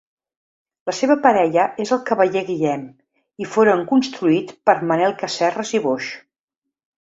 La seva parella és el Cavaller Guillem i foren construïts per Manel Casserres i Boix.